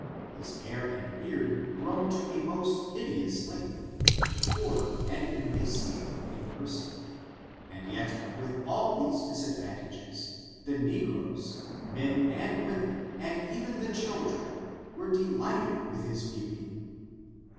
His hair and beard grown to a most hideous length, poor and emaciated in person, and yet with all these disadvantages, the negroes, men and women, and even the children, were delighted with his beauty.